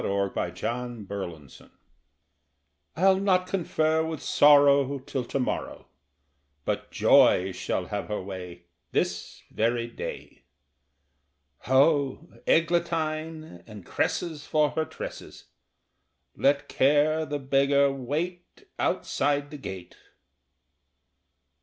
"I'LL NOT CONFER WITH SORROW" I'll not confer with Sorrow Till to morrow; But Joy shall have her way This very day. Ho, eglantine and cresses For her tresses! Let Care, the beggar, wait Outside the gate.